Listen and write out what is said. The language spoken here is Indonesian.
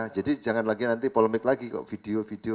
jadi jangan lagi nanti polemik lagi kok video video